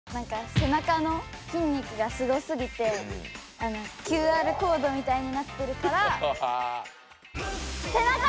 背中の筋肉がすごすぎてＱＲコードみたいになってるから。